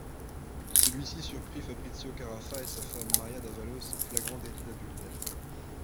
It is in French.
Celui-ci surprit Fabrizio Carafa et sa femme Maria d'Avalos en flagrant délit d'adultère.